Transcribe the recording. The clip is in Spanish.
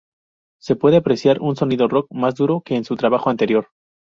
Se puede apreciar un sonido rock más duro que en su trabajo anterior.